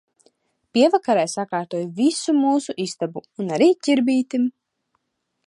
Pievakarē sakārtoju visu mūsu istabu un arī Ķirbītim.